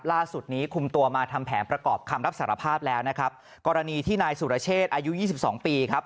ล่าสุดนี้คุมตัวมาทำแผนประกอบคำรับสารภาพแล้วนะครับกรณีที่นายสุรเชษอายุยี่สิบสองปีครับ